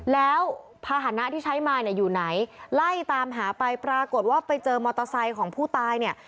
แล้วภาษณะที่ใช้มาเนี่ยอยู่ไหนไล่ตามหาไปปรากฏว่าไปเจอมอเตอร์ไซค์ของผู้ตายเนี่ย